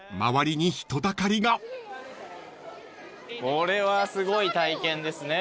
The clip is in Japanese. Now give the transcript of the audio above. これはすごい体験ですね。